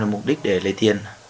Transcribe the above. mục đích để lấy tiền